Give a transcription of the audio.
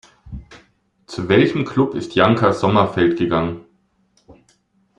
Zu welchem Club ist Janka Sommerfeld gegangen?